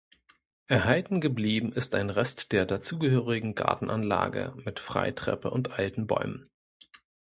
Erhalten geblieben ist ein Rest der dazugehörigen Gartenanlage mit Freitreppe und alten Bäumen.